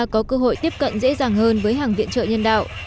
có cơ hội tiếp cận dễ dàng hơn với hàng viện trợ nhân đạo